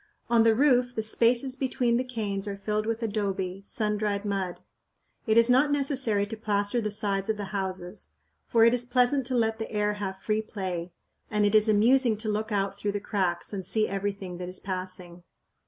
On the roof the spaces between the canes are filled with adobe, sun dried mud. It is not necessary to plaster the sides of the houses, for it is pleasant to let the air have free play, and it is amusing to look out through the cracks and see everything that is passing.